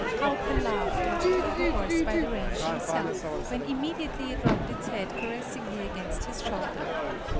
Hauke laughed and took the horse by the reins himself, when immediately it rubbed its head caressingly against his shoulder.